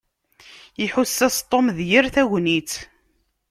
Iḥuss-as Tom d yir tagnit.